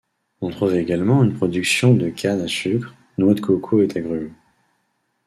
On trouve également une production de canne à sucre, noix de coco et d’agrumes.